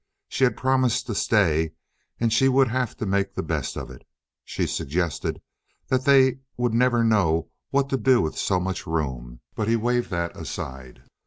She had promised to stay, and she would have to make the best of it. She suggested that they would never know what to do with so much room, but he waved that aside.